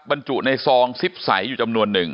บรรจุในซองซิปใสอยู่จำนวนหนึ่ง